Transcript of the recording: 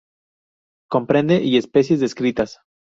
Comprende y especies descritas.